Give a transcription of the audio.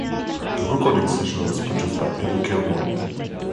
The recording session was produced by Eddie Kilroy.